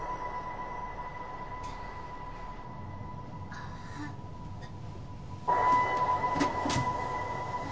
ああうっ！